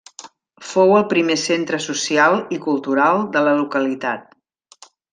Fou el primer centre social i cultural de la localitat.